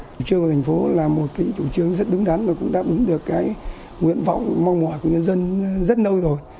chủ trương của thành phố là một chủ trương rất đúng đắn và cũng đã bứng được cái nguyện vọng mong mỏi của nhân dân rất nâu rồi